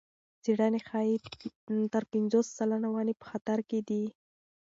څېړنې ښيي تر پنځوس سلنه ونې په خطر کې دي.